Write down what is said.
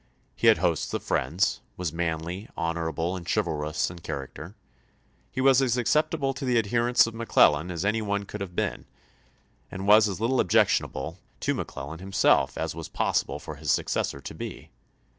He had hosts of friends, was manly, honorable, and chivalrous in character ; he was as acceptable to the adherents of McClellan as any one could have been, and was as little objectionable to McClellan himself as it was possible for his successor to be.